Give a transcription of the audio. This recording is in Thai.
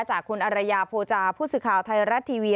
จากคุณอรัยาโภจาพูดสึกข่าวไทยรัตน์ทีวี